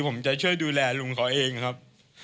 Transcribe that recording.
ผมจะช่วยดูแลลุงเขาเองครับ